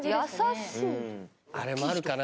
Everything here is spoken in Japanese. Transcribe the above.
あれもあるかな